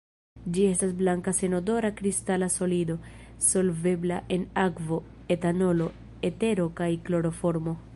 Ĝi estas blanka senodora kristala solido, solvebla en akvo, etanolo, etero kaj kloroformo.